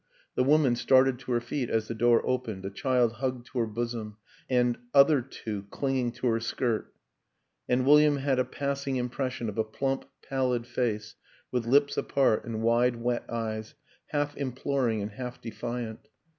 The woman started to her feet as the door opened, a child hugged to her bosom and other two clinging to her skirt; and William had a pass ing impression of a plump, pallid face with lips apart and wide, wet eyes, half imploring and half defiant.